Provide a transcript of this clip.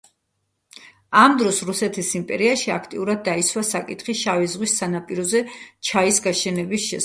ამ დროს რუსეთის იმპერიაში აქტიურად დაისვა საკითხი შავი ზღვის სანაპიროზე ჩაის გაშენების შესახებ.